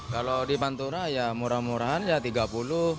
kalau di pantura ya murah murahan ya rp tiga puluh